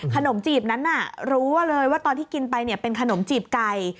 จีบนั้นน่ะรู้เลยว่าตอนที่กินไปเป็นขนมจีบไก่